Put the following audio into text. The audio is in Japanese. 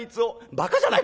「ばかじゃない？